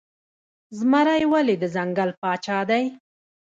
زمری ولې د ځنګل پاچا دی؟